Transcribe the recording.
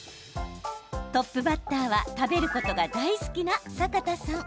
トップバッターは食べることが大好きな阪田さん。